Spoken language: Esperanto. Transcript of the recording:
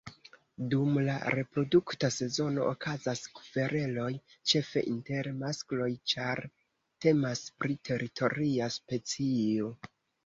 Dum la reprodukta sezono okazas kvereloj ĉefe inter maskloj, ĉar temas pri teritoria specio.